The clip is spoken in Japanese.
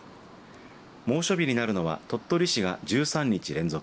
猛暑日になるのは鳥取市が１３日連続